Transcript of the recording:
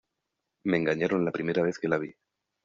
Me engañaron la primera vez que la vi.